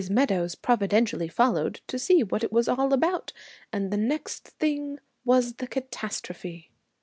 Meadows providentially followed, to see what it was all about, and the next thing was the catastrophe.'